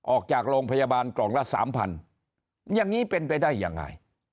ออกจากโรงพยาบาลกล่องละสามพันอย่างนี้เป็นไปได้ยังไง